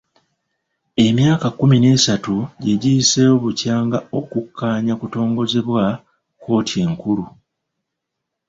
Emyaka kkumi n'esatu gye giyiseewo bukyanga okukkaanya kutongozebwa kkooti enkulu.